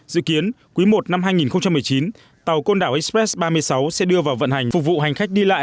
dự kiến quý i năm hai nghìn một mươi chín tàu côn đảo express ba mươi sáu sẽ đưa vào vận hành phục vụ hành khách đi lại